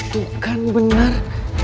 tuh kan bener